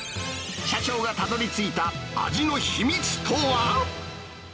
社長がたどりついた味の秘密とは？